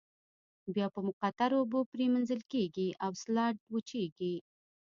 بیا په مقطرو اوبو پریمنځل کیږي او سلایډ وچیږي.